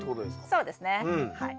そうですねはい。